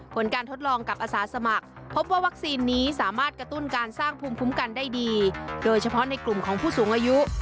ผลการทดลองกับอาสาสมัครพบว่าวัคซีนนี้สามารถกระตุ้นการสร้างภูมิคุ้มกันได้ดีโดยเฉพาะในกลุ่มของผู้สูงอายุ